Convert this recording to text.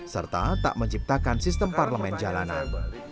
serta tak menciptakan sistem parlemen jalanan